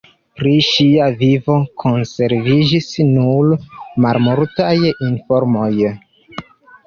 Pri ŝia vivo konserviĝis nur malmultaj informoj.